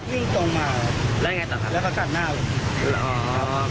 มันก็ถล่ายไปฝั่งนู้น